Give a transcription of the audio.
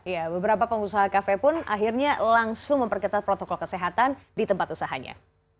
ya beberapa pengusaha kafe pun akhirnya langsung memperketat protokol kesehatan di tempat usahanya